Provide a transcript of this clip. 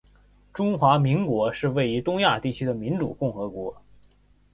中华民国是位于东亚地区的民主共和国